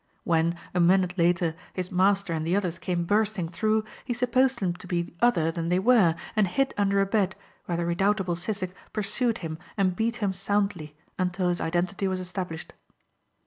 When, a minute later his master and the others came bursting through he supposed them to be other than they were and hid under a bed where the redoubtable Sissek pursued him and beat him soundly until his identity was established.